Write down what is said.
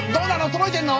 届いてんの？